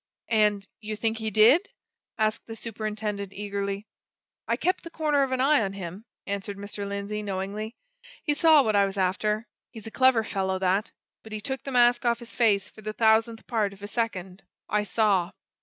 "And you think he did?" asked the superintendent, eagerly. "I kept the corner of an eye on him," answered Mr. Lindsey, knowingly. "He saw what I was after! He's a clever fellow, that but he took the mask off his face for the thousandth part of a second. I saw!"